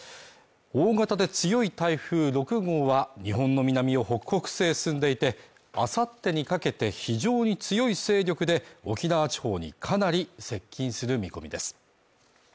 大型で強い台風６号は日本の南を北北西へ進んでいてあさってにかけて非常に強い勢力で沖縄地方にかなり接近する見込みです